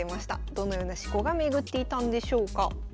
どのような思考が巡っていたんでしょうか。